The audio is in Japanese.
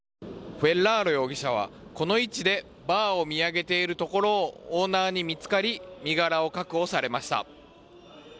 フェッラーロ容疑者はこの位置でバーを見上げているところをオーナーに見つかり身柄を確保されました。